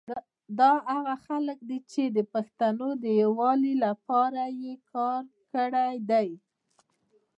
دا هغه خلګ دي چي د پښتونو د یوالي لپاره یي کار کړي دی